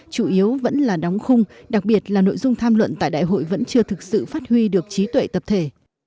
chủ yếu vẫn là đóng khung đặc biệt là nội dung tham luận tại đại hội vẫn chưa thực sự phát huy được trí tuệ tập thể